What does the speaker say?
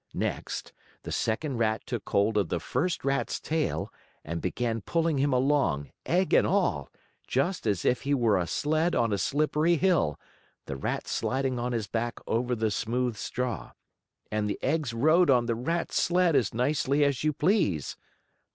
Next, the second rat took hold of the first rat's tail and began pulling him along, egg and all, just as if he were a sled on a slippery hill, the rat sliding on his back over the smooth straw. And the eggs rode on the rat sled as nicely as you please.